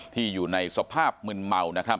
ที่อยู่ในสภาพมึนเม่า